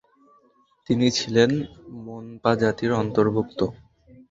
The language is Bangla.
তিনি ছিলেন মোনপা জাতির অন্তর্ভুক্ত।